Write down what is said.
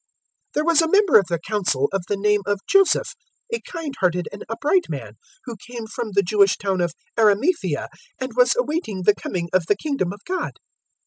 023:050 There was a member of the Council of the name of Joseph, a kind hearted and upright man, 023:051 who came from the Jewish town of Arimathaea and was awaiting the coming of the Kingdom of God.